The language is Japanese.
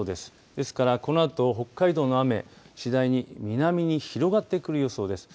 ですから、このあと北海道の雨次第に南に広がってくる予想です。